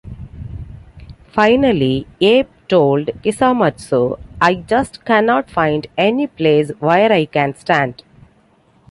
Finally, Abe told Hisamatsu, I just cannot find any place where I can stand.